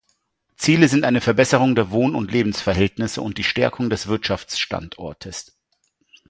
Ziele sind eine Verbesserung der Wohn- und Lebensverhältnisse und die Stärkung des Wirtschaftsstandortes.